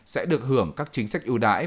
sẽ được hưởng các chính sách ưu đãi